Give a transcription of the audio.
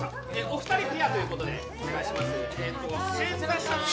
お二人ペアということでお願いします